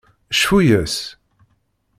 Cfu-yas!